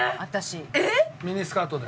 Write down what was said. ミニスカートで？